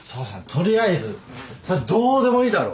取りあえずそれどうでもいいだろ！